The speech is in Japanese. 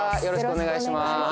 よろしくお願いします